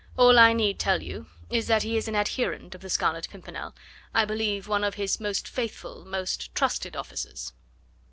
All I need tell you is that he is an adherent of the Scarlet Pimpernel I believe one of his most faithful, most trusted officers."